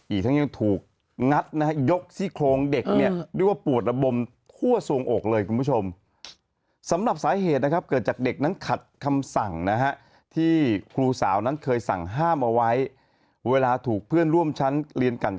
อีกทั้งยังถูกงัดนะฮะยกซี่โครงเด็กเนี่ย